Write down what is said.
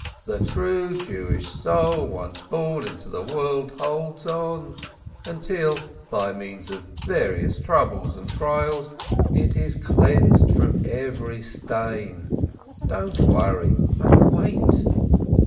The true Jewish soul once born into the world holds on, until, by means of various troubles and trials, it is cleansed from every stain. Don't worry, but wait."